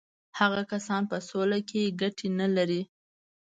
هغه کسان په سوله کې ګټې نه لري.